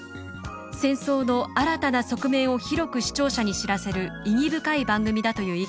戦争の新たな側面を広く視聴者に知らせる意義深い番組だ」という意見があった